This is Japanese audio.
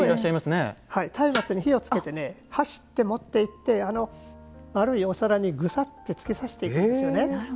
松明に火をつけて走って持っていって丸いお皿にぐさって突き刺していくんです。